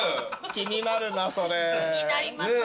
気になりますね。